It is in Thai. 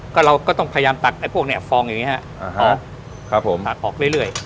ก็เราก็ต้องพยายามตักไอ้พวกเนี้ยฟองอย่างนี้ฮะครับผมตักออกเรื่อย